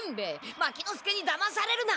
牧之介にだまされるな！